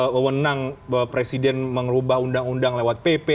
menang presiden mengubah undang undang lewat pp